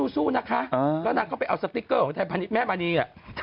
สู้นะคะแล้วนักก็ไปเอาสติ๊กเกอร์ของแม่มันนี่